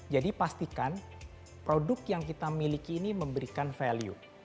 jadi pastikan produk yang kita miliki ini memberikan value